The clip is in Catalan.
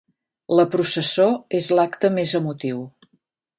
La processó és l'acte més emotiu.